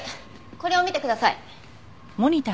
これを見てください。